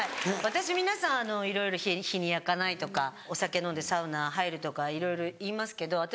皆さん日に焼かないとかお酒飲んでサウナ入るとかいろいろ言いますけど私